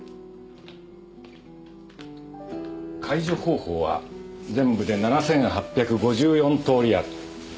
解除方法は全部で７，８５４通りある。